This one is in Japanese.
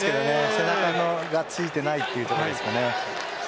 背中がついていないというところです。